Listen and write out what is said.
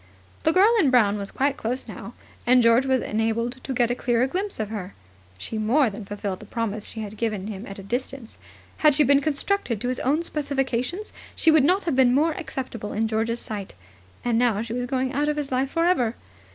The girl in brown was quite close now, and George was enabled to get a clearer glimpse of her. She more than fulfilled the promise she had given at a distance. Had she been constructed to his own specifications, she would not have been more acceptable in George's sight. And now she was going out of his life for ever.